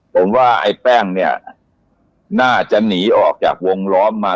ผมว่าไอ้แป้งเนี่ยน่าจะหนีออกจากวงล้อมมา